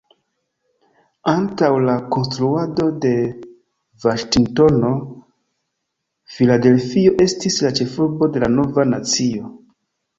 Antaŭ la konstruado de Vaŝingtono, Filadelfio estis la ĉefurbo de la nova nacio.